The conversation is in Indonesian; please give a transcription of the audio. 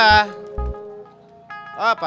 apa sih orangnya gak ada lagi dirumah